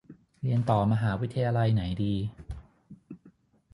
เรียนต่อมหาวิทยาลัยไหนดี